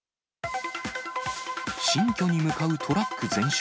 新居に向かうトラック、全焼。